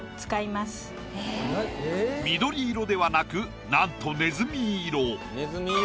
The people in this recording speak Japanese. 緑色ではなくなんとねずみ色。